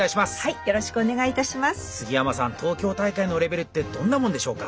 東京大会のレベルってどんなもんでしょうか？